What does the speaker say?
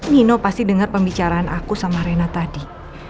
nino pasti dengar pembicaraan aku sama rena tadi